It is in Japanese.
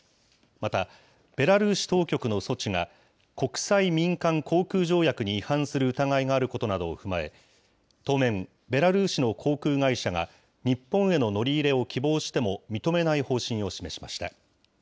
また、ベラルーシ当局の措置が、国際民間航空条約に違反する疑いがあることなどを踏まえ、当面、ベラルーシの航空会社が、日本への乗り入れを希望しても、認めない方針を示しました。